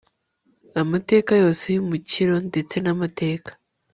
amateka yose y'umukiro ndetse n'amateka